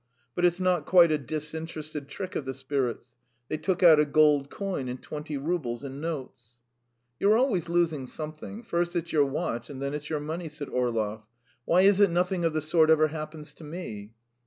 But it's not quite a disinterested trick of the spirits. They took out a gold coin and twenty roubles in notes." "You are always losing something; first it's your watch and then it's your money ..." said Orlov. "Why is it nothing of the sort ever happens to me?"